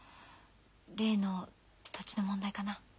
例の土地の問題かな？